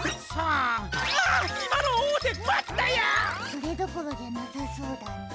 それどころじゃなさそうだな。